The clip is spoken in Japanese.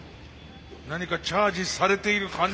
何かチャージされている感じが。